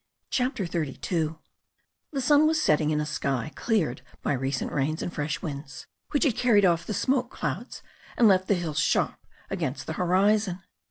CHAPTER XXXII THE sun was setting in a sky cleared by recent rains and fresh winds, which had carried off the smoke clouds and left the hills sharp against the horizon.